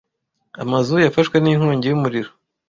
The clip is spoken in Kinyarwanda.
Amazu yafashwe n'inkongi y'umuriro.